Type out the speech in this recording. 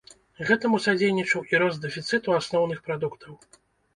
Гэтаму садзейнічаў і рост дэфіцыту асноўных прадуктаў.